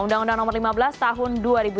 undang undang nomor lima belas tahun dua ribu sembilan